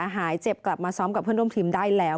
หายเจ็บกลับมาซ้อมกับเพื่อนร่วมทีมได้แล้ว